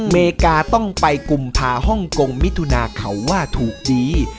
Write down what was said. เมริกาการกลุ่มภาคมมิทุนาเขาว่าถูกดี